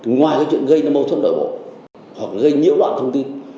ngoài cái chuyện gây mâu thuẫn nội bộ hoặc gây nhiễu loạn thông tin